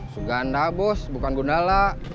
suganda bos bukan gundala